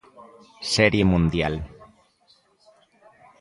Serie mundial.